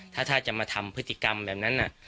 ถ้าจะมาทำพฤติกรรมแบบนั้น